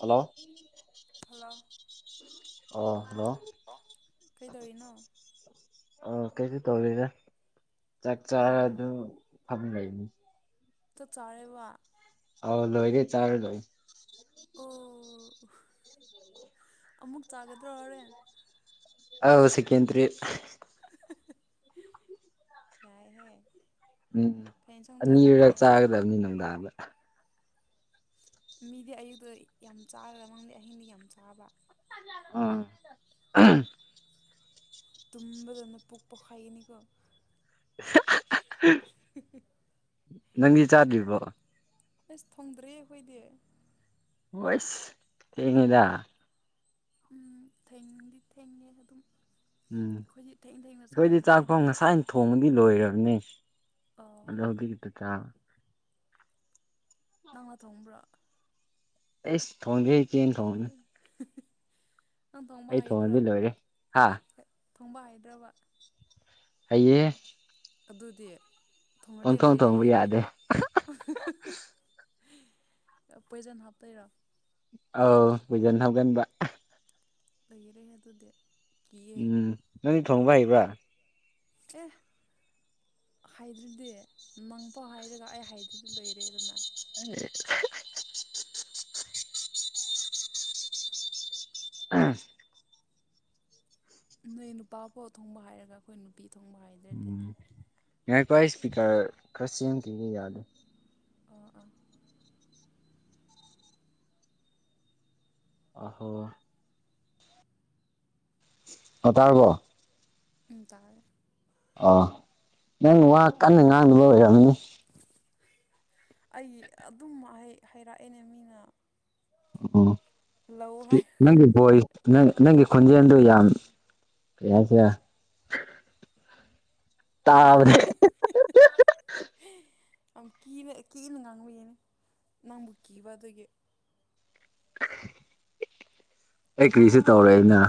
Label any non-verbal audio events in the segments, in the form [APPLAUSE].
hello hello ꯑ hello ꯀꯩꯗꯧꯔꯤꯅꯣ [INAUDIBLE] ꯑ ꯀꯩꯁꯨ ꯇꯧꯗꯦꯗ ꯆꯥꯛ ꯑꯣ ꯆꯥꯔ ꯑꯗꯨꯝ ꯐꯝ ꯂꯩꯕꯅꯤ ꯆꯥꯛ ꯆꯥꯔꯦꯕ ꯑꯥꯎ ꯂꯣꯏꯔꯦ ꯆꯥꯔꯗꯣꯏ ꯑꯣ ꯑꯃꯨꯛ ꯆꯥꯒꯗ꯭ꯔ ꯍꯣꯔꯦꯟ ꯑꯥꯎ ꯁꯦꯀꯦꯟꯗ꯭ꯔꯤ ꯌꯥꯏꯌꯦ ꯎꯝ ꯑꯅꯤꯔꯛ ꯆꯥꯒꯗꯕꯅꯤ ꯅꯨꯡꯗꯥꯡꯗ ꯃꯤꯗꯤ ꯑꯌꯨꯛꯇ ꯌꯥꯝ ꯆꯥꯔꯒ ꯅꯪꯗꯤ ꯑꯍꯤꯡꯗꯤ ꯌꯥꯝ ꯆꯥꯕ ꯑꯥ ꯑꯍꯝ ꯇꯨꯝꯕꯗꯅ ꯄꯨꯛ ꯄꯣꯛꯈꯥꯏꯒꯅꯤꯀꯣ [INAUDIBLE] ꯅꯪꯗꯤ ꯆꯥꯗ꯭ꯔꯤꯕꯣ ꯑꯁ ꯊꯣꯡꯗ꯭ꯔꯤ ꯑꯩꯈꯣꯏꯗꯤ ꯑꯣꯁ ꯊꯦꯡꯉꯦꯗ ꯎꯝ ꯊꯦꯡꯗꯤ ꯊꯦꯡꯉꯦ ꯑꯗꯨꯝ ꯎꯝ ꯑꯩꯈꯣꯏꯗꯤ ꯊꯦꯡ ꯊꯦꯡꯅ ꯑꯩꯈꯣꯏꯗꯤ ꯆꯥꯏꯌꯦꯕꯀꯣ ꯆꯥꯛꯇꯣ ꯉꯁꯥꯏꯅ ꯊꯣꯡꯕꯗꯤ ꯂꯣꯏꯔꯝꯅꯤ ꯑꯣ [UNINTELLIGIBLE] ꯅꯪꯅ ꯊꯣꯡꯕ꯭ꯔꯣ ꯑꯦꯁ ꯊꯣꯡꯗꯦ ꯏꯆꯦꯅ ꯊꯣꯡꯅꯦ ꯅꯪ ꯊꯣꯡꯕ ꯑꯩ ꯍꯩꯗ꯭ꯔꯣ ꯊꯣꯡꯉꯗꯤ ꯂꯣꯏꯔꯦ ꯍꯥ ꯊꯣꯡꯕ ꯍꯩꯇ꯭ꯔꯕ ꯍꯩꯌꯦ ꯑꯗꯨꯗꯤ ꯊꯣꯡꯉꯗꯤ ꯂꯣꯏꯔꯦ ꯊꯣꯡꯕ ꯑꯩꯗꯤ ꯌꯥꯗꯦ ꯀꯩꯅꯣ [INAUDIBLE] ꯄꯣꯏꯖꯟ ꯍꯥꯞꯇꯣꯏꯔꯣ ꯑꯥꯎ ꯄꯣꯏꯖꯟ ꯍꯥꯞꯀꯟꯕ ꯂꯩꯔꯦ ꯑꯗꯨꯗꯤ ꯀꯤꯌꯦ ꯎꯝ ꯅꯪꯗꯤ ꯊꯣꯡꯕ ꯍꯩꯕ꯭ꯔ ꯑꯦ ꯍꯥꯏꯗ꯭ꯔꯗꯤ ꯅꯪꯐꯥꯎ ꯍꯥꯏꯔꯒ ꯑꯩ ꯍꯥꯏꯗ꯭ꯔꯗꯤ ꯂꯣꯏꯔꯦꯗꯅ [INAUDIBLE] [INAUDIBLE] ꯅꯣꯏ ꯅꯨꯄꯥꯐꯥꯎ ꯊꯣꯡꯕ ꯍꯥꯏꯔꯒ ꯑꯩꯈꯣꯏ ꯅꯨꯄꯤ ꯊꯣꯡꯕ ꯍꯥꯏꯗ꯭ꯔꯗꯤ ꯉꯥꯏꯈꯣ ꯁ꯭ꯄꯤꯀꯔ ꯈꯔ ꯁꯦꯝꯈꯤꯒꯦ ꯌꯥꯗ ꯑ-ꯑ ꯑꯍꯣ ꯍ ꯇꯥꯔꯕꯣ ꯎꯝ ꯇꯥꯔꯦ ꯑ ꯅꯪꯅ ꯋꯥ ꯀꯟꯅ ꯉꯥꯡꯅꯕ ꯑꯣꯏꯔꯝꯅꯤ ꯑꯩ ꯑꯗꯨꯝ ꯍꯥꯏ ꯍꯥꯏꯔꯛꯑꯦꯅꯦ ꯃꯤꯅ ꯑꯣ ꯂꯧ ꯄꯤ ꯍꯥꯏ ꯅꯪꯒꯤ ꯕꯣꯏ ꯅꯪ ꯅꯪꯒꯤ ꯈꯣꯟꯖꯦꯜꯗꯨ ꯌꯥꯝ ꯀꯩꯍꯥꯏꯁꯤꯔ ꯑꯉꯥꯡ [INAUDIBLE] ꯌꯥꯝ ꯀꯤꯅ ꯀꯤꯅ ꯉꯥꯡꯕꯒꯤꯅꯦ ꯅꯪꯕꯨ ꯀꯤꯕ ꯑꯗꯨꯒꯤ ꯑꯩ ꯀꯔꯤꯁꯨ ꯇꯧꯔꯦ ꯑꯅ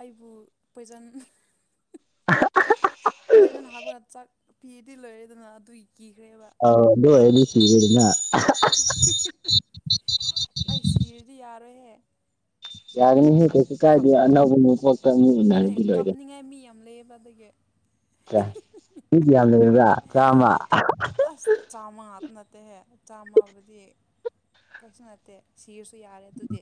ꯑꯩꯕꯨ ꯄꯣꯏꯖꯟ [INAUDIBLE] ꯄꯣꯏꯖꯟ ꯍꯥꯞꯄꯒ ꯆꯥꯛ ꯄꯤꯗꯤ ꯂꯣꯏꯔꯦꯗꯅ ꯑꯗꯨꯏ ꯑꯥꯎ ꯗꯣ ꯑꯣꯢꯗꯤ ꯁꯤꯔꯦꯗꯅ [INAUDIBLE] ꯑꯩ ꯁꯤꯔꯗꯤ ꯌꯥꯔꯣꯏꯍꯦ ꯌꯥꯒꯅꯤ ꯍꯦ ꯀꯩꯁꯨ ꯀꯞ ꯀꯥꯏꯗꯦ ꯑꯅꯧꯕ ꯃꯄꯣꯛꯇ ꯃꯛ ꯎꯅꯔꯗꯤ ꯂꯣꯏꯔꯦ ꯗ ꯗꯒꯤ ꯀ꯭ꯌꯥ ꯃꯤꯗꯤ ꯌꯥꯝ ꯂꯩꯔꯕ꯭ꯔ ꯆꯥꯝꯃ ꯑꯁ ꯆꯥꯝꯃ ꯉꯥꯛ ꯅꯠꯇꯦꯍꯦ ꯆꯥꯝꯃꯕꯨꯗꯤ ꯀꯩꯁꯨ ꯅꯠꯇꯦ ꯁꯤꯔꯁꯨ ꯌꯥꯔꯦ ꯗꯨꯗꯤ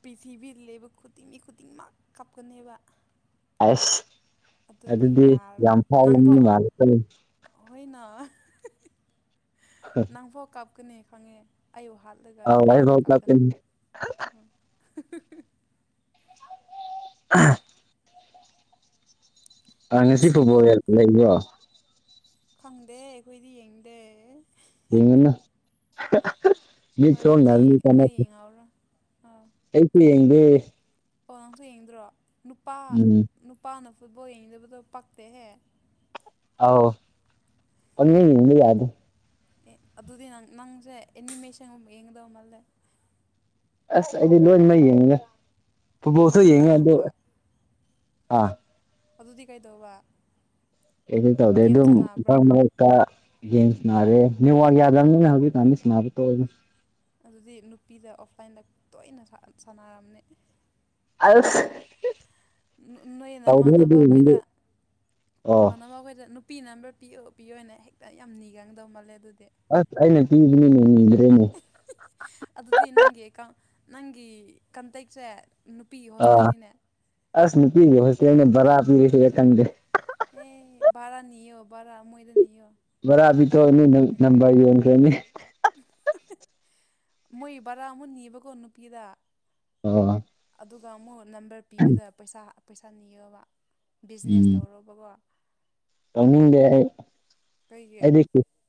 ꯄ꯭ꯔꯤꯊꯤꯕꯤ ꯂꯩꯕ ꯈꯨꯗꯤꯡꯒꯤ ꯈꯨꯗꯤꯡꯃꯛ ꯀꯞꯀꯅꯦꯕ ꯑꯁ ꯑꯗꯨꯒꯤ ꯑꯗꯨꯗꯤ ꯌꯥꯝ ꯌꯥꯔꯔꯣꯏ ꯐꯥꯎꯕ ꯃꯤ ꯃꯥꯜꯂꯦꯇ [INAUDIBLE] ꯅꯪꯐꯧ ꯀꯥꯞꯀꯅꯤ ꯈꯪꯉꯦ ꯑꯩꯕꯨ ꯍꯥꯠꯂꯒ ꯑꯧ ꯑꯃꯨꯛ ꯅꯪꯅ ꯑꯩꯐꯥꯎ ꯀꯞꯀꯅꯤ [INAUDIBLE] [INAUDIBLE] ꯑ ꯉꯁꯤ ꯄꯨꯟꯁꯤꯕꯨ ꯐꯨꯠꯕꯣꯜ ꯂꯩꯕ꯭ꯔꯣ ꯈꯪꯗꯦ ꯑꯩꯈꯣꯏꯗꯤ ꯌꯦꯡꯗꯦ ꯌꯦꯉꯨꯅꯣ [INAUDIBLE] ꯃꯤꯠ ꯍꯣꯏ ꯅꯣꯏ ꯁꯣꯛꯅꯕꯅꯤ ꯅꯣꯏ ꯀꯅꯗꯦ ꯌꯦꯡꯍꯧꯔꯣ ꯑꯥ ꯑꯩ ꯄ꯭ꯂꯦ ꯌꯦꯡꯗꯦ ꯑꯣ ꯅꯪꯁꯨ ꯌꯦꯡꯗ꯭ꯔꯣ ꯅꯨꯄꯥ ꯎꯝ ꯅꯨꯄꯥ ꯅ ꯐꯨꯠꯕꯣꯜ ꯌꯦꯡꯗꯕꯗꯣ ꯄꯛꯇꯦ ꯍꯦ ꯑꯧ ꯑꯅꯤ ꯌꯦꯡꯕ ꯌꯥꯗꯦ ꯑꯦ ꯑꯗꯨꯗꯤ ꯅꯪ ꯅꯪꯁꯦ ꯑꯦꯅꯤꯃꯦꯁꯟꯒꯨꯝ ꯌꯦꯡꯒꯗꯧ ꯃꯥꯜꯂꯦ ꯑꯁ ꯑꯩꯗꯤ ꯂꯣꯏꯃꯛ ꯌꯦꯡꯉꯦ ꯐꯨꯠꯕꯣꯜꯁꯨ ꯑꯗꯨꯗꯤ ꯌꯦꯡꯉꯦ ꯑꯗꯣ ꯀꯩꯗꯧꯕ ꯑꯥ ꯑꯗꯨꯗꯤ ꯀꯩꯗꯧꯕ ꯀꯩꯁꯨ ꯇꯧꯗꯦ ꯒꯦꯝ ꯑꯗꯨꯝ ꯁꯥꯟꯅꯕ꯭ꯔꯥ ꯃꯔꯛ ꯃꯔꯛꯇ ꯒꯦꯝ ꯁꯅꯥꯔꯦ ꯅꯦꯋꯥꯛ ꯌꯥꯗꯝꯅꯤꯅ ꯍꯧꯖꯤꯀꯥꯟꯗꯤ ꯁꯅꯥꯕ ꯇꯣꯛꯑꯦ ꯑꯗꯨꯗꯤ ꯅꯨꯄꯤꯗ ꯑꯣꯕꯂꯥꯏꯟꯗ ꯇꯣꯏꯅ ꯁꯥꯟꯅꯔꯝꯅꯤ ꯑꯁ ꯅꯣꯏ ꯇꯧꯗꯦ ꯅꯃꯥꯟꯅꯕ ꯑꯗꯨꯒꯨꯝꯕꯗꯤ ꯈꯣꯏꯗ ꯑꯣ ꯅꯃꯥꯟꯅꯕ ꯈꯣꯏꯗ ꯅꯨꯄꯤ ꯅꯝꯕ ꯄꯤꯌꯣ ꯄꯤꯌꯣꯅ ꯍꯦꯛꯇ ꯌꯥꯝ ꯅꯤꯒꯟꯗꯧ ꯃꯥꯜꯂꯦ ꯑꯗꯨꯗꯤ ꯑꯁ ꯑꯩꯅ ꯆꯤꯡꯒꯤ ꯃꯤꯅꯤ [INAUDIBLE] ꯑꯗꯨꯗꯤ ꯅꯪꯒꯤ ꯑꯦꯀꯥꯎꯟ ꯅꯪꯒꯤ ꯀꯟꯇꯦꯛꯁꯦ ꯅꯨꯄꯤꯒꯤ ꯑꯥ ꯍꯣꯁꯇꯦꯜꯅꯤꯅꯦ ꯑꯁ ꯅꯨꯄꯤꯒꯤ ꯍꯣꯁꯇꯦꯟꯗ ꯚꯥꯔꯥ ꯄꯤꯔꯁꯤꯔ ꯈꯪꯗꯦ ꯑꯦ ꯚꯥꯔꯥꯅꯤꯌꯣ ꯕꯔꯥ ꯃꯣꯏꯗ ꯅꯤꯌꯣ ꯚꯥꯔꯥꯗꯤꯀꯣ ꯅꯣꯏꯅ ꯅꯝꯕꯔ ꯌꯦꯟꯈ꯭ꯔꯦꯅꯦ [INAUDIBLE] ꯃꯣꯏ ꯚꯥꯔꯥ ꯑꯃꯨꯛ ꯅꯤꯕꯀꯣ ꯅꯨꯄꯤꯗ ꯑꯥꯑꯥ ꯑꯗꯨꯒ ꯑꯃꯨꯛ ꯅꯝꯕꯔ ꯄꯤꯕꯗ ꯄꯩꯁꯥ ꯄꯩꯁꯥ ꯅꯤꯌꯣꯕ ꯕꯤꯖꯤꯅꯦꯁ ꯎꯝ ꯇꯧꯔꯕꯀꯣ ꯇꯧꯅꯤꯡꯗꯦ ꯑꯩ ꯀꯩꯒꯤ ꯑꯩꯗꯤ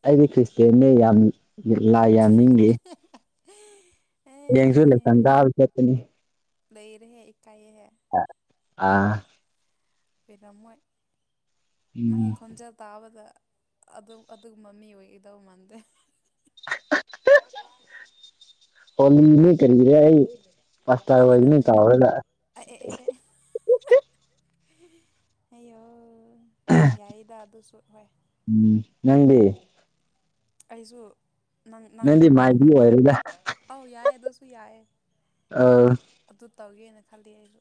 ꯑꯩꯗꯤ ꯈ꯭ꯔꯤꯁꯇꯦꯟꯅꯦ ꯌꯥꯝ ꯂꯥꯏ ꯌꯥꯝ ꯅꯤꯡꯅꯤ ꯑꯦ ꯍꯌꯦꯡꯁꯨ ꯂꯤꯇꯥꯟꯗꯥꯜ ꯆꯠꯀꯅꯤ ꯂꯩꯔꯦ ꯍꯦ ꯏꯀꯥꯌꯦ ꯑꯥ ꯄꯤꯔꯝꯃꯣꯏ ꯅꯪꯒꯤ ꯎꯝ ꯈꯣꯟꯖꯦꯜ ꯇꯥꯕꯗ ꯑꯗꯨꯝ ꯑꯗꯨꯒꯨꯝꯕ ꯃꯤ ꯑꯣꯏꯒꯗꯧ ꯃꯥꯟꯗꯦ ꯍꯣꯃꯤꯜꯂꯤ ꯀꯔꯤꯔꯥ ꯑꯩ [INAUDIBLE] ꯄꯥꯁꯇꯔ ꯑꯣꯏꯒꯅꯤ ꯐꯥꯒꯤꯗꯕꯅꯤꯗ ꯇꯩꯔꯒ [INAUDIBLE] ꯑꯌꯣ ꯌꯥꯏꯗ ꯑꯗꯨꯁꯨ ꯍꯣꯏ ꯎꯝ ꯅꯪꯗꯤ ꯑꯩꯁꯨ ꯅꯪ ꯅꯪ ꯅꯪꯗꯤ ꯃꯥꯏꯕꯤ ꯇꯧꯕ ꯑꯣꯏꯔꯦꯗ ꯑꯧ ꯌꯥꯏꯌꯦ ꯑꯗꯨꯁꯨ ꯌꯥꯏꯌꯦ ꯑꯥ ꯑꯗꯨ ꯇꯧꯒꯦꯅ ꯈꯜꯂꯤ ꯑꯩꯁꯨ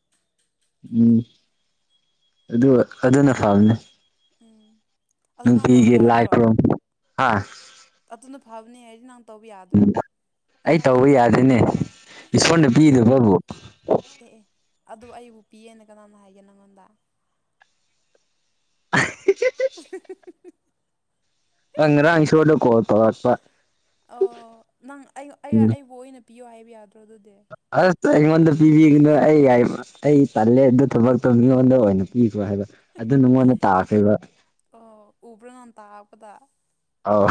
ꯎꯝ ꯑꯗꯨ ꯑꯗꯨꯅ ꯐꯕꯅꯦ ꯎꯝ ꯑꯗꯨ ꯅꯪ ꯇꯧꯕ ꯅꯨꯡꯇꯤꯒꯤ ꯌꯥꯗ꯭ꯔꯣ ꯂꯥꯏꯈꯨꯔꯨꯝ ꯍꯥ ꯑꯗꯨꯅ ꯐꯕꯅꯦ ꯍꯥꯏꯗꯤ ꯅꯪ ꯇꯧꯕ ꯌꯥꯗ꯭ꯔꯣ ꯎꯝ ꯑꯩ ꯇꯧꯕ ꯌꯥꯗꯦꯅꯦ ꯏꯁꯣꯔꯅ ꯀꯩꯒꯤ ꯑꯦ ꯄꯤꯗꯕꯕꯨ ꯑꯦ ꯑꯗꯨ ꯑꯩꯕꯨ ꯄꯤꯌꯦꯅ ꯀꯅꯥꯅ ꯍꯥꯏꯒꯦ ꯅꯪꯉꯣꯟꯗ [INAUDIBLE] [INAUDIBLE] ꯑ ꯉꯔꯥꯡ ꯁꯣꯏꯗꯥꯅ ꯀꯣꯜ ꯇꯧꯔꯛꯄ ꯑꯧ ꯅꯪ ꯑꯩ ꯎꯝ ꯑꯩꯕꯨ ꯑꯣꯏꯅ ꯄꯤꯌꯣ ꯍꯥꯏꯕ ꯌꯥꯗꯣ ꯑꯁ ꯑꯩꯉꯣꯟꯗ ꯄꯤꯕꯤꯒꯅꯨ ꯑꯩ ꯑꯩ ꯇꯜꯂꯦ ꯑꯗꯨ ꯊꯕꯛꯇꯣ ꯃꯤꯉꯣꯟꯗ ꯑꯣꯏꯅ ꯄꯤ ꯍꯥꯏꯕ ꯑꯗꯨ ꯅꯉꯣꯟꯗ ꯇꯥꯈ꯭ꯔꯦꯕ ꯑꯣ ꯎꯕ꯭ꯔꯣ [UNINTELLIGIBLE] ꯑꯣ [INAUDIBLE]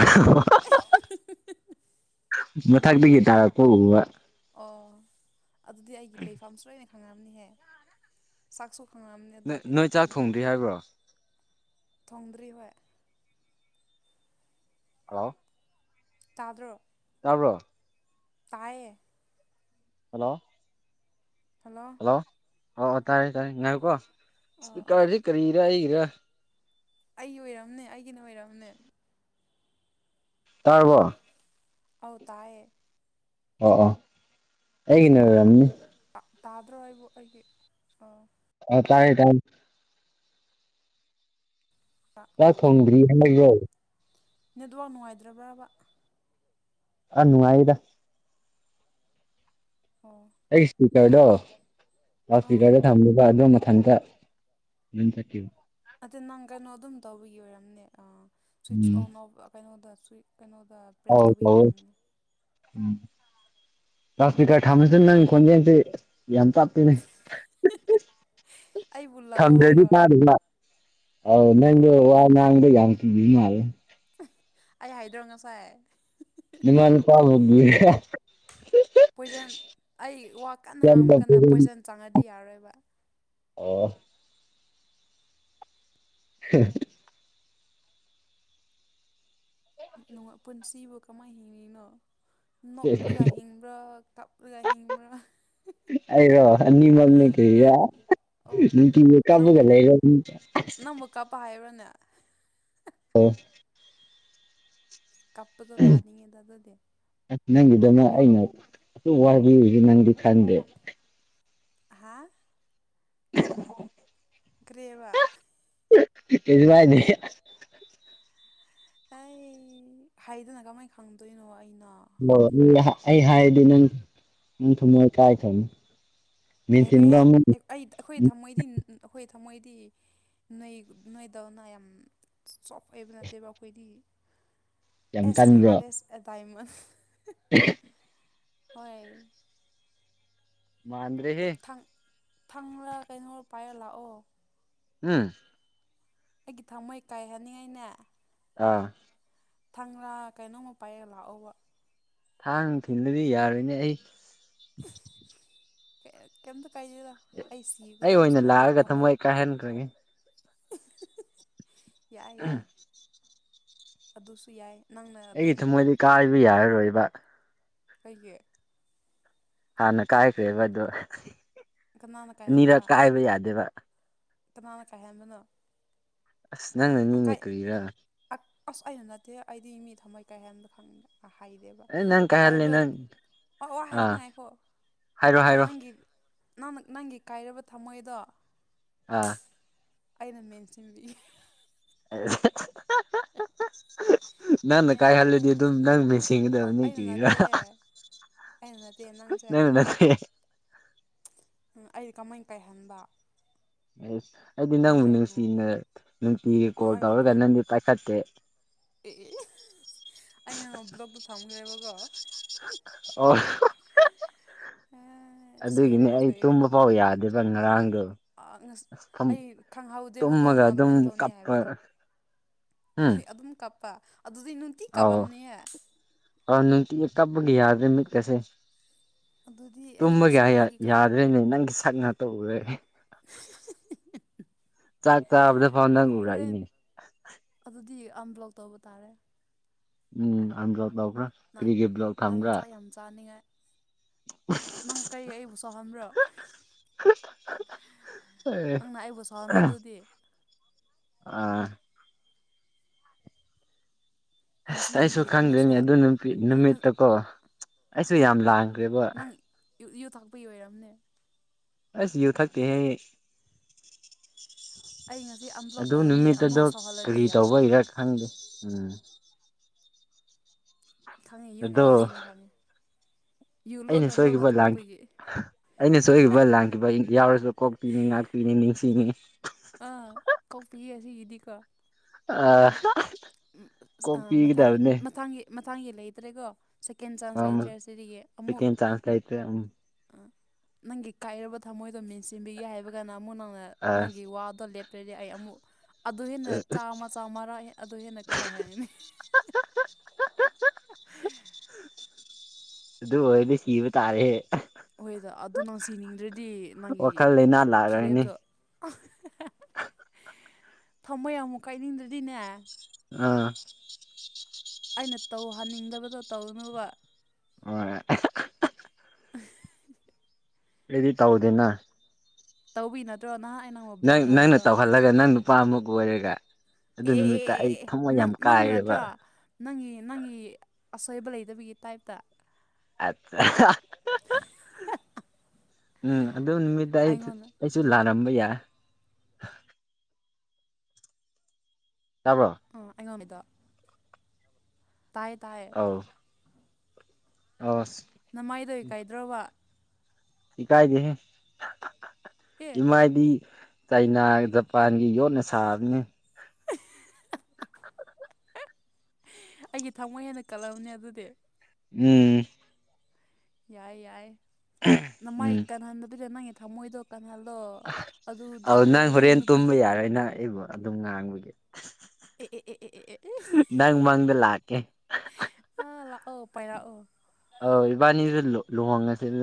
ꯃꯊꯛꯇꯒꯤ ꯇꯔꯛꯄ ꯎꯕ ꯑꯣ ꯑꯗꯨꯗꯤ ꯑꯩꯒꯤ ꯂꯩꯐꯝꯁꯨ ꯂꯣꯏꯅ ꯈꯪꯉꯝꯅꯤꯍꯦ ꯁꯛꯁꯨ ꯅꯣꯏ ꯅꯣꯏ ꯆꯥꯛ ꯊꯣꯡꯗ꯭ꯔꯤ ꯍꯥꯏꯕ꯭ꯔꯣ ꯊꯣꯡꯗ꯭ꯔꯤ ꯍꯣꯏ ꯍꯂꯣ ꯇꯥꯗ꯭ꯔꯣ ꯇꯥꯕ꯭ꯔꯣ ꯇꯥꯏꯌꯦ ꯍꯜꯂꯣ ꯍꯜꯂꯣ ꯑꯣ ꯇꯥꯔꯦ ꯇꯥꯔꯦ ꯉꯥꯏꯌꯣꯀꯣ ꯑꯥ ꯁ꯭ꯄꯤꯀꯔꯖꯦ ꯀꯔꯤꯔ ꯑꯩꯒꯤꯔꯥ ꯑꯩ ꯑꯣꯏꯔꯝꯅꯤ ꯑꯩꯒꯤꯅ ꯑꯣꯏꯔꯝꯅꯦ ꯇꯥꯔꯕꯣ ꯑꯧ ꯇꯥꯏꯌꯦ ꯑꯣ ꯑꯣ ꯑꯩꯒꯤꯅ ꯑꯣꯏꯔꯝꯅꯤ ꯇꯥꯗ꯭ꯔꯣ ꯑꯩꯕꯨ ꯑꯩꯒꯤ ꯑꯥ ꯑ ꯇꯥꯏꯌꯦ ꯇꯥꯏ ꯆꯥꯛ ꯊꯣꯡꯗ꯭ꯔꯤ [UNINTELLIGIBLE] ꯅꯦꯠꯋꯥꯛ ꯅꯨꯡꯉꯥꯏꯇ꯭ꯔꯕ꯭ꯔꯕ ꯑ ꯅꯨꯡꯉꯥꯏꯗ ꯑꯣ ꯁ꯭ꯄꯤꯀꯔꯗꯣ ꯂꯥꯎꯗ ꯑꯥ ꯁ꯭ꯄꯤꯀꯔꯗ ꯊꯝꯃꯣꯕ ꯑꯗꯨ ꯃꯊꯟꯇ ꯑꯗꯨꯝ ꯇꯠꯈꯤꯕ ꯑꯗꯨ ꯅꯪ ꯀꯩꯅꯣ ꯑꯗꯨꯝ ꯇꯧꯕꯒꯤ ꯑꯣꯏꯔꯝꯅꯦ ꯑ ꯁ꯭ꯋꯤꯠꯁ ꯎꯝ ꯑꯣꯟ ꯑꯣꯐ ꯀꯩꯅꯣꯗ ꯁꯨꯏ ꯀꯩꯅꯣꯗ ꯄ꯭ꯔꯦꯁ ꯑꯧ ꯇꯧꯕꯤ ꯇꯧꯋꯦ ꯑꯣꯏꯔꯝꯅꯤ ꯎꯝ ꯂꯥꯎꯗ ꯁ꯭ꯄꯤꯀꯔ ꯊꯥꯃꯟꯗ ꯅꯪ ꯈꯣꯜꯖꯦꯜꯁꯦ ꯑꯁ ꯌꯥꯝ ꯇꯞꯄꯦꯅꯦ ꯑꯩꯕꯨ [INAUDIBLE] ꯂꯧꯑꯣ ꯊꯝꯗ꯭ꯔꯗꯤ ꯍꯥꯏꯔꯣ ꯇꯗꯦꯕ ꯑꯧ ꯑꯥ ꯅꯪꯗꯣ ꯋꯥ ꯉꯥꯡꯕꯗ ꯌꯥꯝ ꯀꯤ ꯃꯥꯜꯂꯦ ꯑꯩ ꯍꯥꯏꯗ꯭ꯔꯣ ꯉꯁꯥꯏ ꯅꯃꯥ ꯅꯄꯥ ꯑꯣꯏꯔꯝꯃꯤꯍꯦ ꯄꯣꯏꯖꯟ ꯑꯩ ꯋꯥ ꯀꯟꯅ ꯉꯥꯡꯕ ꯀꯥꯟꯗ ꯄꯣꯏꯖꯟ ꯆꯪꯉꯗꯤ ꯌꯥꯔꯣꯏꯕ ꯑꯣ [INAUDIBLE] ꯄꯨꯟꯁꯤꯕꯨ ꯀꯃꯥꯏ ꯍꯤꯡꯉꯤꯅꯣ ꯅꯣꯛꯂꯒ ꯍꯤꯡꯕ꯭ꯔ ꯀꯞꯂꯒ ꯍꯤꯡꯕ꯭ꯔ ꯑꯩꯔꯣ ꯑꯅꯤꯃꯛꯅꯦ ꯀꯩꯔꯥ [INAUDIBLE] ꯑꯣ ꯅꯨꯡꯇꯤꯒꯤ ꯀꯥꯞꯂꯒ ꯅꯪꯕꯨ ꯂꯩꯔꯝꯅꯤ ꯅꯪꯕꯨ ꯀꯥꯞꯄ ꯍꯥꯏꯕ꯭ꯔꯥꯅꯦ ꯑꯣ ꯀꯞꯄꯗꯨ ꯇꯥꯅꯤꯡꯉꯦꯗꯅ ꯅꯪꯒꯤꯗꯅ ꯑꯩꯅ ꯋꯥꯕꯤꯔꯤꯖꯦ ꯅꯪꯗꯤ ꯈꯟꯗꯦ ꯍꯥ [INAUDIBLE] ꯀ꯭ꯔꯤꯕ ꯀꯩꯁꯨ ꯍꯥꯏꯗꯦ ꯑꯩ ꯍꯥꯏꯗꯅ ꯀꯃꯥꯏꯅ ꯈꯪꯗꯣꯏꯅꯣ ꯑꯩꯅꯣ ꯑꯩ ꯑꯩ ꯍꯥꯏꯗꯤ ꯅꯪ ꯅꯪ ꯊꯨꯝꯃꯣꯏ ꯀꯥꯏꯈꯔꯅꯤ ꯀꯥꯏꯔꯣꯏꯍꯦ ꯑꯩ ꯑꯩꯈꯣꯏ ꯊꯝꯃꯣꯏꯗꯤ ꯑꯩꯈꯣꯏ ꯊꯝꯃꯣꯏꯗꯤ ꯅꯣꯏ ꯅꯣꯏꯗꯧꯅ ꯌꯥꯝ ꯁꯣꯐ ꯑꯣꯏꯕ ꯅꯠꯇꯦꯕ ꯑꯩꯈꯣꯏꯗꯤ ꯌꯥꯝ ꯑꯦꯁ ꯀꯟꯕ꯭ꯔꯣ ꯍꯥꯔꯗꯦꯁ ꯑꯦ ꯗꯥꯥꯏꯃꯟ [INAUDIBLE] ꯍꯣꯏ ꯃꯥꯟꯗ꯭ꯔꯦꯍꯦ ꯊꯥꯡ ꯊꯥꯡꯂ ꯀꯩꯅꯣ ꯄꯥꯏꯔ ꯂꯥꯛꯑꯣ ꯎꯝ ꯑꯩꯒꯤ ꯊꯃꯣꯏ ꯀꯥꯏꯍꯅꯤꯡꯉꯥꯏꯅꯦ ꯑꯥ ꯊꯥꯡꯂ ꯀꯩꯅꯣꯝꯃ ꯄꯥꯏꯔꯒ ꯂꯥꯛꯑꯣꯕ ꯊꯥꯡ ꯊꯤꯟꯂꯗꯤ ꯌꯥꯔꯣꯏꯅꯦ ꯑꯩ ꯀꯦꯝꯇ ꯑꯩ ꯑꯣꯏꯅ ꯂꯥꯛꯑꯒ ꯊꯃꯣꯏ ꯀꯥꯏꯍꯟꯈ꯭ꯔꯒꯦ ꯌꯥꯏ ꯌꯥꯏ ꯑꯗꯨꯁꯨ ꯌꯥꯏ ꯅꯪꯅ ꯑꯩꯒꯤ ꯑꯗꯨꯝ ꯊꯃꯣꯏꯗꯤ ꯀꯥꯏꯕ ꯌꯥꯔꯔꯣꯏꯕ ꯀꯩꯒꯤ ꯍꯥꯟꯅ ꯀꯥꯏꯈ꯭ꯔꯦꯕꯗꯣ ꯀꯅꯥꯅ ꯀꯥꯏꯍꯟꯕ ꯑꯅꯤꯔꯛ ꯀꯥꯏꯕ ꯌꯥꯗꯦꯕ ꯀꯅꯥꯅ ꯀꯥꯏꯍꯟꯕꯅꯣ ꯑꯁ ꯅꯪꯅ ꯅꯤꯅꯦ ꯑꯀꯥꯏ ꯀꯔꯤꯔ ꯑꯁ ꯑꯩꯅ ꯅꯠꯇꯦ ꯑꯩꯗꯤ ꯃꯤ ꯊꯝꯃꯣꯏ ꯀꯥꯏꯍꯟꯕ ꯈꯪꯗꯦ ꯑꯥ ꯍꯥꯏꯗꯦꯕ ꯑꯦ ꯅꯪ ꯀꯥꯏꯍꯜꯂꯦ ꯑꯀꯥꯏꯕ ꯅꯪ ꯑꯣ ꯋꯥ ꯍꯥꯏꯒꯦ ꯑꯥ ꯉꯥꯏꯈꯣ ꯍꯥꯏꯔꯣ ꯍꯥꯏꯔꯣ ꯅꯪꯒꯤ ꯅꯪꯅ ꯅꯪꯒꯤ ꯀꯥꯏꯔꯕ ꯊꯃꯣꯏꯗꯣ ꯑꯥ ꯑꯩꯅ ꯃꯦꯟꯁꯤꯟꯕꯤꯒꯦ ꯑꯍ ꯍꯥ ꯍꯥ [INAUDIBLE] [INAUDIBLE] ꯍꯥ ꯍꯥ [INAUDIBLE] ꯅꯪꯅ ꯀꯥꯏꯍꯜꯂꯗꯤ ꯑꯗꯨꯝ ꯅꯪꯅ ꯑꯦ ꯃꯦꯟꯁꯤꯟꯒꯗꯕꯅꯤ ꯑꯩꯅ ꯀ꯭ꯔꯤꯔ ꯅꯠꯇꯦꯍꯦ ꯑꯩꯅ ꯅꯠꯇꯦ ꯅꯪꯁꯦ ꯅꯪꯅ ꯅꯠꯊꯦ ꯑꯩꯗꯤ ꯀꯃꯥꯏꯅ ꯀꯥꯏꯍꯟꯕ ꯑꯦꯁ ꯑꯩꯗꯤ ꯅꯪ ꯅꯪꯕꯨ ꯑꯩꯕꯨ ꯅꯨꯡꯁꯤꯅ ꯅꯨꯡꯇꯤꯒꯤ ꯀꯣꯜ ꯇꯧꯔꯒ ꯅꯪꯗꯤ ꯄꯥꯏꯈꯠꯇꯦ ꯑꯦ ꯑꯦ ꯍꯦ ꯑꯩꯅ ꯅꯪ ꯕ꯭ꯂꯣꯛꯇꯣ ꯊꯝꯈ꯭ꯔꯦꯕꯀꯣ ꯑꯣ ꯍꯣ ꯍꯣ ꯎꯝ [INAUDIBLE] ꯑꯗꯨꯒꯤꯅꯦ ꯑꯩ ꯇꯨꯝꯕ ꯐꯥꯎ ꯌꯥꯗꯦꯕ ꯉꯔꯥꯡꯗꯣ ꯑ ꯑꯁ ꯑꯩ ꯈꯪꯍꯧꯗꯦꯕꯀꯣ ꯇꯨꯝꯃꯒ ꯅꯪ ꯑꯗꯨꯝ ꯑꯗꯨꯃꯥꯏꯅ ꯇꯧꯅꯤ ꯀꯞꯄ ꯍꯥꯏꯕꯗꯣ ꯎꯝ ꯑꯗꯨꯝ ꯀꯥꯞꯄ ꯑꯗꯨꯗꯤ ꯅꯨꯡꯇꯤ ꯑꯧ ꯀꯥꯄꯝꯅꯤꯍꯦ ꯇꯨꯝꯕꯒꯤ ꯌꯥꯗ꯭ꯔꯦ ꯃꯤꯠꯀꯁꯦ ꯑꯗꯨꯗꯤ ꯑꯩ ꯇꯨꯝꯕꯒꯤ ꯉꯁꯤꯗꯒꯤ ꯈꯪ ꯌꯥꯗ꯭ꯔꯦꯅꯦ ꯅꯪꯒꯤ ꯁꯛ ꯉꯥꯛ ꯇ ꯎꯔꯦ ꯆꯥꯛ ꯆꯥꯕꯗ ꯐꯥꯎ ꯅꯪ ꯎꯔꯛꯏꯅꯤ ꯑꯃꯨꯛ ꯕ꯭ꯂꯣꯛ ꯇꯧꯕ ꯇꯥꯔꯦ ꯎꯝ ꯑꯝ ꯕ꯭ꯂꯣꯛ ꯇꯧꯈꯕ꯭ꯔ ꯅꯪ ꯀꯔꯤꯒꯤ ꯕ꯭ꯂꯣꯛ ꯅꯪ ꯊꯝꯕ꯭ꯔ ꯆꯥꯛ ꯌꯥꯝ ꯆꯥꯅꯤꯡꯉꯥꯏ ꯅꯪ ꯀꯩ ꯑꯩꯕꯨ ꯁꯥꯎꯍꯟꯕ꯭ꯔꯣ [INAUDIBLE] ꯅꯪꯅ ꯑꯩꯕꯨ ꯁꯥꯎꯍꯟꯕꯗꯨꯗꯤ ꯑꯥ ꯑꯁ ꯑꯩꯁꯨ ꯉꯁꯤꯗꯒꯤ ꯑꯃꯨꯛ ꯈꯪꯗꯦꯅꯦ ꯁꯥꯎ ꯑꯗꯨ ꯅꯨꯃꯤꯠꯇ ꯀꯣ ꯑꯩꯁꯨ ꯌꯥꯝ ꯂꯥꯟꯈ꯭ꯔꯦꯕ ꯅꯪ ꯌꯨ ꯊꯥꯛꯄꯩ ꯑꯣꯏꯔꯝꯅꯤ ꯑꯁ ꯌꯨ ꯊꯛꯇꯦꯍꯦ ꯑꯩ ꯑꯩ ꯉꯁꯤ ꯑꯟꯕ꯭ꯂꯣꯛ ꯑꯗꯨ ꯇꯧꯔꯅꯤ ꯅꯨꯃꯤꯠꯇ ꯑꯃꯨꯛ ꯗꯣ ꯁꯧꯍꯜꯂꯗꯤ ꯀꯔꯤ ꯇꯧꯕꯩꯔꯥ ꯌꯥꯔꯔꯣꯏꯀꯣ ꯈꯪꯗꯦ ꯎꯝ ꯈꯪꯉꯤ ꯌꯨ ꯑꯗꯣ ꯉꯥꯎꯕꯩꯅꯤ ꯈꯪꯉꯤ ꯌꯨ ꯑꯩꯅ ꯂꯣꯟꯅ ꯂꯣꯟꯅ ꯁꯣꯏꯈꯤꯕ ꯂꯥꯟ ꯊꯛꯄꯒꯤ ꯑꯩꯅ ꯁꯣꯏꯈꯤꯕ ꯂꯥꯟꯈꯤꯕ ꯌꯥꯎꯔꯁꯨ ꯀꯣꯛꯄꯤꯅꯤ ꯉꯥꯛꯄꯤꯅꯤ ꯅꯤꯡꯁꯤꯡꯕꯤꯅꯤ ꯑ ꯀꯣꯛꯄꯤꯌꯦ ꯁꯤꯒꯤꯗꯤꯀꯣ ꯑꯥ [INAUDIBLE] ꯑꯥ ꯃꯊꯪ ꯃꯊꯪꯒꯤ ꯃꯊꯥꯡꯒꯤ ꯂꯩꯇ꯭ꯔꯦꯀꯣ ꯁꯦꯀꯦꯟ ꯆꯥꯟꯁ ꯂꯩꯇ꯭ꯔꯦ ꯁꯤꯗꯒꯤ ꯑꯃꯨꯛ ꯁꯦꯀꯦꯟ ꯆꯥꯟꯁ ꯂꯩꯇ꯭ꯔꯦ ꯎꯝ ꯑ ꯅꯪꯒꯤ ꯀꯥꯏꯔꯕ ꯊꯝꯃꯣꯏꯗꯣ ꯃꯦꯟꯁꯤꯟꯕꯤꯒꯦ ꯍꯥꯏꯕꯒ ꯑꯃꯨꯛ ꯅꯧꯅ ꯑ ꯅꯪꯒꯤ ꯋꯥꯗꯣ ꯂꯦꯞ [UNINTELLIGIBLE] ꯑꯩ ꯑꯃꯨꯛ ꯑꯗꯨ ꯍꯦꯟꯅ ꯆꯥꯝꯃ ꯆꯝꯃꯔꯛ ꯑꯗꯨ ꯍꯦꯟꯅ ꯀꯩ ꯍꯥꯏꯅꯤ [INAUDIBLE] [INAUDIBLE] ꯑꯗꯨ ꯑꯣꯏꯗꯤ ꯀꯤꯕ ꯇꯥꯔꯦ ꯍꯣꯏꯗ ꯑꯗꯨ ꯅꯪ ꯁꯤꯅꯤꯡꯗ꯭ꯔꯗꯤ ꯅꯪꯒꯤ ꯋꯥꯈꯜ ꯂꯩꯅꯥ ꯂꯥꯛꯔꯅꯤ ꯐꯤꯔꯦꯞꯇꯣ [INAUDIBLE] ꯊꯝꯃꯣꯢ ꯑꯃꯨꯛ ꯀꯥꯏꯅꯤꯡꯗ꯭ꯔꯗꯤꯅꯦ ꯑꯥ ꯑꯩꯅ ꯇꯧꯍꯟꯅꯤꯡꯗꯕꯗꯣ ꯇꯧꯅꯨꯕ ꯍꯣꯢ [INAUDIBLE] [INAUDIBLE] ꯑꯩꯗꯤ ꯇꯧꯗꯦꯅ ꯇꯧꯕꯤ ꯅꯠꯇ꯭ꯔꯣ ꯅꯍꯥ ꯅꯪ ꯅꯪꯅ ꯇꯧꯍꯜꯂꯒ ꯅꯪ ꯅꯨꯄꯥ ꯑꯃ ꯀꯣꯏꯔꯒ ꯑꯗꯨ ꯑꯦ ꯑꯦ ꯑꯦ ꯅꯨꯃꯤꯠꯇ ꯑꯦ ꯑꯩ ꯑꯦ ꯊꯝꯃꯣꯏ ꯅꯪ ꯌꯥꯝ ꯅꯪꯅ ꯀꯥꯏꯔꯦꯕ ꯅꯠꯇ꯭ꯔꯣ ꯅꯪꯒꯤ ꯅꯪꯒꯤ ꯑꯁꯣꯏꯕ ꯂꯩꯇꯕꯒꯤ ꯇꯥꯏꯞꯇ ꯑ [INAUDIBLE] [INAUDIBLE] ꯎꯝ ꯑꯗꯨ ꯅꯨꯃꯤꯠꯇ ꯑꯩ ꯑꯩꯉꯣꯟꯗ ꯑꯩꯁꯨ ꯂꯥꯜꯂꯝ [INAUDIBLE] ꯇꯥꯕ꯭ꯔꯣ ꯑꯥ ꯇꯥꯢ ꯇꯥꯢ ꯑꯧ ꯑꯁ ꯅꯃꯥꯏꯗꯣ ꯏꯀꯥꯏꯗ꯭ꯔꯣꯕ ꯏꯀꯥꯏꯗꯦꯍꯦ ꯑꯦ [INAUDIBLE] ꯏꯃꯥꯏꯗꯤ ꯆꯩꯅꯥ ꯖꯄꯥꯟꯒꯤ ꯌꯣꯠꯅ ꯁꯥꯕꯅꯤ [INAUDIBLE] ꯑꯩꯒꯤ ꯊꯃꯣꯏ ꯍꯦꯟꯅ ꯀꯜꯂꯝꯅꯦ ꯑꯗꯨꯗꯤ ꯎꯝ ꯌꯥꯏ ꯌꯥꯏ ꯅꯃꯥꯏ ꯎꯝ ꯀꯟꯍꯟꯗꯕꯤꯗ ꯅꯪꯒꯤ ꯊꯝꯃꯣꯏꯗꯣ ꯀꯜꯍꯟꯂꯣ ꯑꯗꯨꯗꯤ ꯑꯧ ꯑꯗꯨ ꯅꯪ ꯑꯣꯏꯗꯤ ꯍꯣꯔꯦꯟ ꯅꯨꯄꯤ ꯇꯨꯝꯕ ꯌꯥꯔꯣꯏ ꯅꯪ ꯑꯩꯕꯨ ꯑꯗꯨꯝ ꯉꯥꯡꯕꯒꯤ ꯑꯦ ꯑꯦ ꯑꯦ ꯑꯦ ꯑꯦ ꯑꯦ ꯑꯦ [INAUDIBLE] ꯅꯪ ꯃꯪꯗ ꯂꯥꯛꯀꯦ [INAUDIBLE] ꯄꯥꯏꯔꯛꯎ ꯑꯣ ꯏꯕꯥꯅꯤꯖꯨ ꯂꯨꯍꯣꯡꯉꯁꯦꯅ